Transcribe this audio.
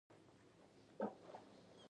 بازارګوټي یې خوند راکړ.